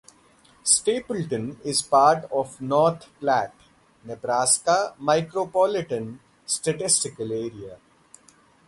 Stapleton is part of the North Platte, Nebraska Micropolitan Statistical Area.